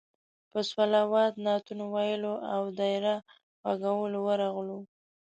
په صلوات، نعتونو ویلو او دایره غږولو ورغلو.